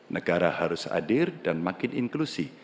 negara harus hadir dan makin inklusi